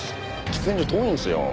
喫煙所遠いんですよ。